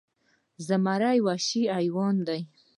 زمری وخشي حیوان دې